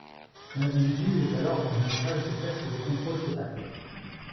L’individu est alors dans une phase de perte de contrôle totale.